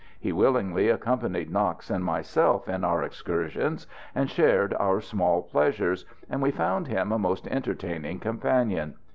He willingly accompanied Knox and myself in our excursions, and shared our small pleasures, and we found him a most entertaining companion.